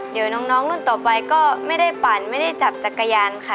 เดี๋ยวน้องรุ่นต่อไปก็ไม่ได้ปั่นไม่ได้จับจักรยานค่ะ